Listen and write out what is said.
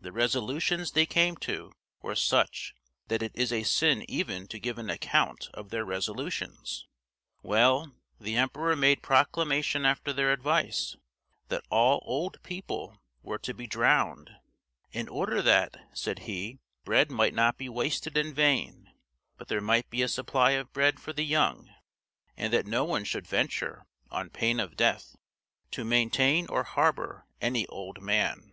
the resolutions they came to were such that it is a sin even to give an account of their resolutions! Well, the emperor made proclamation after their advice, that all old people were to be drowned, in order that, said he, bread might not be wasted in vain, but there might be a supply of bread for the young; and that no one should venture, on pain of death, to maintain or harbour any old man.